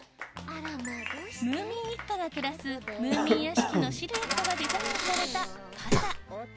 ムーミン一家が暮らすムーミンやしきのシルエットがデザインされた傘。